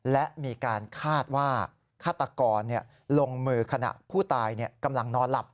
และมีการคาดว่าฆาตกรลงมือขณะผู้ตายกำลังนอนหลับ